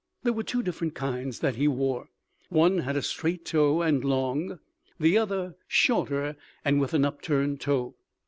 There were two different kinds that he wore; one with a straight toe and long; the other shorter and with an upturned toe.